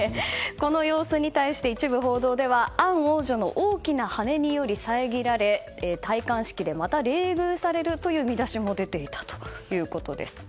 この様子に対して一部報道ではアン王女の大きな羽根により遮られ戴冠式でまた冷遇されるという見出しも出ていたということです。